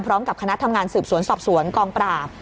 พร้อมกับคณะทำงานสืบสวนสอบสวนกองปราบ